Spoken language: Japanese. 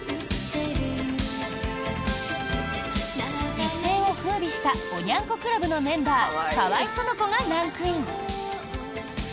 一世を風靡したおニャン子クラブのメンバー河合その子がランクイン！